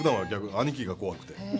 兄貴が怖くて。